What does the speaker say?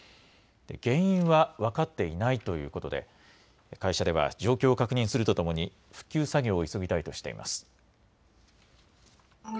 原因は分かっていないということで会社では状況を確認するとともに復旧作業を急ぎたいとしています。